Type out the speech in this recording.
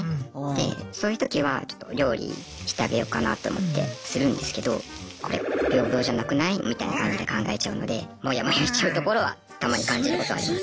でそういう時はちょっと料理してあげようかなと思ってするんですけどみたいな感じで考えちゃうのでモヤモヤしちゃうところはたまに感じることありますね。